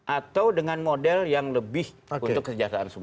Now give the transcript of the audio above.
atau dengan model yang lebih untuk kesejahteraan